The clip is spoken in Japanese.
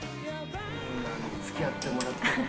こんなんに付き合ってもらって。